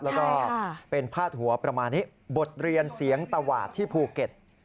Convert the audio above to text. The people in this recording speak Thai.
แล้วก็เป็นพาดหัวประมาณนี้บทเรียนเสียงตวาดที่ภูเก็ต